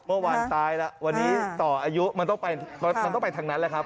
เมื่อวานตายแล้ววันนี้ต่ออายุมันต้องไปทางนั้นแหละครับ